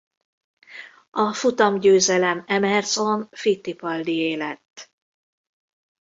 A futamgyőzelem Emerson Fittipaldié lett.